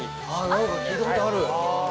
◆なんか聞いたことある。